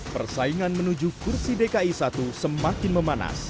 persaingan menuju kursi dki satu semakin memanas